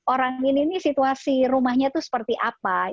orang ini nih situasi rumahnya itu seperti apa